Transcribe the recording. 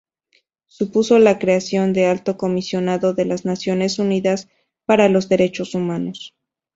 Supuso la creación del Alto Comisionado de las Naciones Unidas para los Derechos Humanos.